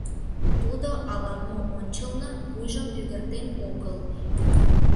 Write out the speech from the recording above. Тудо «ала-мо» ончылно вуйжым пӱгыртен огыл.